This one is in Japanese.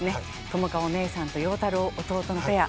友花お姉さんと陽太郎弟のペア。